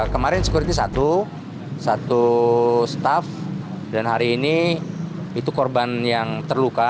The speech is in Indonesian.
kemarin sekuriti satu satu staff dan hari ini itu korban yang terluka